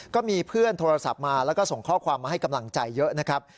ก็มีเพื่อนโทรศัพท์มาแล้วก็ส่งข้อความมาให้กำลังใจเยอะนะครับ